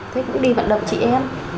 thế cũng đi vận động chị em